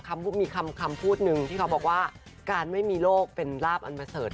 มีคำพูดหนึ่งที่เขาบอกว่าการไม่มีโลกเป็นลาบอันประเสริฐ